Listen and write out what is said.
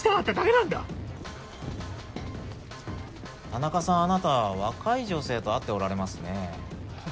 田中さんあなた若い女性と会っておられますね。